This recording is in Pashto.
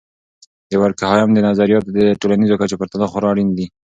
د دورکهايم.static نظریات د ټولنیزو کچو په پرتله خورا اړین دي.